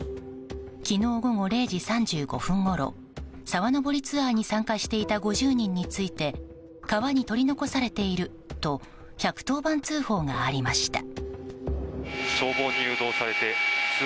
昨日午後０時３５分ごろ沢登りツアーに参加していた５０人について川に取り残されていると１１０番通報がありました。